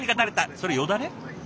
それよだれ？